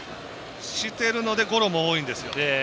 してるのでゴロも多いんですよ。